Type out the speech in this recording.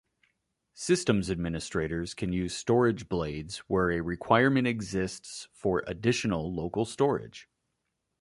Systems administrators can use storage blades where a requirement exists for additional local storage.